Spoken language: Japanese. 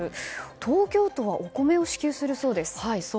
東京都はお米を支給するそうです。